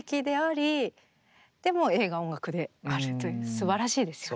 すばらしいですよね。